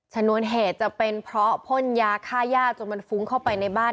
ชนวนเหตุจะเป็นเพราะพ่นยาฆ่าย่าจนมันฟุ้งเข้าไปในบ้าน